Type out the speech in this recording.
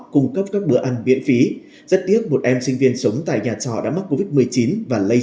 cung cấp các bữa ăn miễn phí rất tiếc một em sinh viên sống tại nhà trọ đã mắc covid một mươi chín và lây